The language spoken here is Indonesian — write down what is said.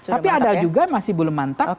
tapi ada juga masih belum mantap